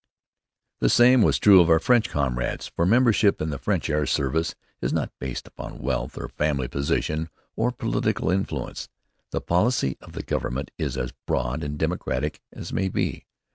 The same was true of our French comrades, for membership in the French air service is not based upon wealth or family position or political influence. The policy of the Government is as broad and democratic as may be.